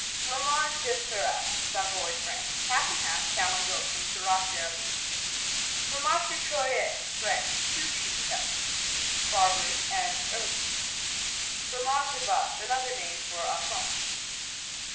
Fromage de Serac Savoy, France Half and half, cow and goat, from Serac des Allues. Fromage de Troyes France Two cheeses have this name. (See Barberry and Ervy.) Fromage de Vache Another name for Autun.